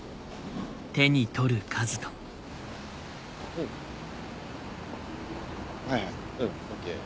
うんはいはいうんＯＫ。